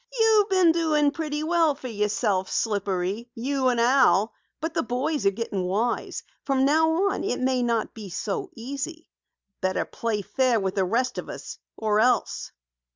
"You've been doing pretty well for yourself, Slippery you and Al. But the boys are getting wise. From now on it may not be so easy. Better play fair with the rest of us or else."